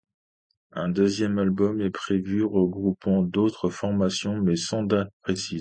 Un deuxième album est prévu, regroupant d'autres formations, mais sans date précise.